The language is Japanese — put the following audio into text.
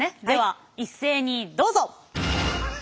では一斉にどうぞ！